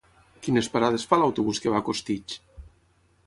Quines parades fa l'autobús que va a Costitx?